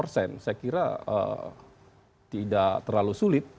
saya kira tidak terlalu sulit